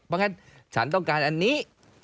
เพราะงั้นฉันต้องการอันนี้